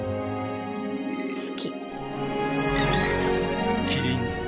好き。